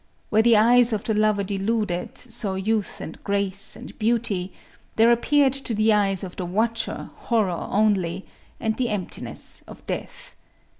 Where the eyes of the lover deluded saw youth and grace and beauty, there appeared to the eyes of the watcher horror only, and the emptiness of death.